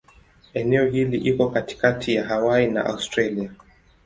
Eneo hili liko katikati ya Hawaii na Australia.